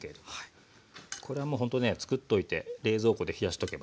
これはもうほんとねつくっといて冷蔵庫で冷やしとけばね